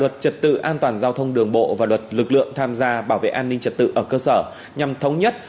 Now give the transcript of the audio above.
luật trật tự an toàn giao thông đường bộ và luật lực lượng tham gia bảo vệ an ninh trật tự ở cơ sở nhằm thống nhất